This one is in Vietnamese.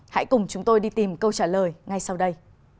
hãy cùng chúng tôi đi tìm câu trả lời ngay sau đây